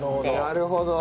なるほど。